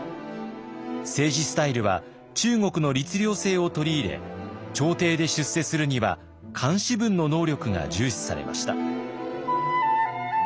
政治スタイルは中国の律令制を取り入れ朝廷で出世するには漢詩文の能力が重視されました。